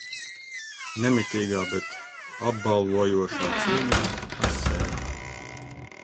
Nemitīgā, bet apbalvojošā cīņā ar sevi.